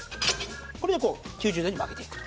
これでこう９０度に曲げていく。